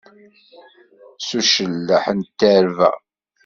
S ucelleḥ i d-terba.